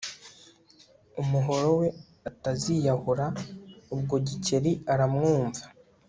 umuhorowe ataziyahura » Ubwo Gikeli aramwumva